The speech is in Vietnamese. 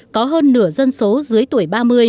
có hơn nửa dân số dưới tuổi ba mươi